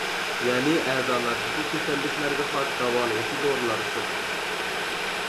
يەنى ئەزالاردىكى كېسەللىكلەرگە خاس داۋالىغۇچى دورىلار ئىشلىتىلىدۇ.